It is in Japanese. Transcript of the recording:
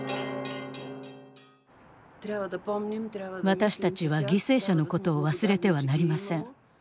私たちは犠牲者のことを忘れてはなりません。